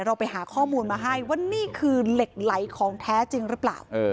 เราไปหาข้อมูลมาให้ว่านี่คือเหล็กไหลของแท้จริงหรือเปล่า